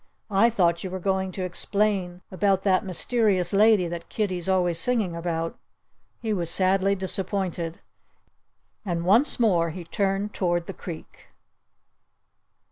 I thought you were going to explain about that mysterious lady that Kiddie's always singing about." He was sadly disappointed. And once more he turned toward the creek.